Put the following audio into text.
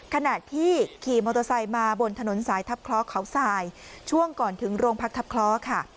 ขณะที่ขี่มอเตอร์ไซค์มาบนถนนสายทัพคล้อเขาสายช่วงก่อนถึงโรงพักทับคล้อค่ะ